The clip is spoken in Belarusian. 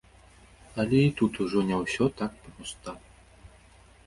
Але і тут ужо не ўсё так проста.